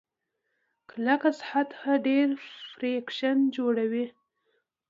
کلکه سطحه ډېر فریکشن جوړوي.